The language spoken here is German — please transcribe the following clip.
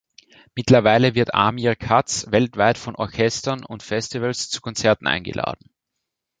Mittlerweile wird Amir Katz weltweit von Orchestern und Festivals zu Konzerten eingeladen.